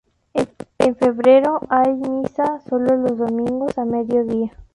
En febrero hay misa sólo los domingos a mediodía.